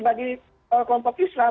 bagi kelompok islam